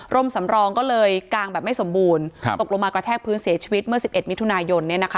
สำรองก็เลยกางแบบไม่สมบูรณ์ตกลงมากระแทกพื้นเสียชีวิตเมื่อ๑๑มิถุนายน